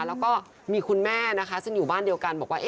แล้วก็มีคุณแม่นะคะซึ่งอยู่บ้านเดียวกันบอกว่า